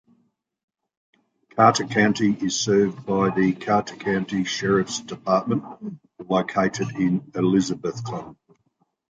Carter County is served by the Carter County Sheriff's Department, located in Elizabethton.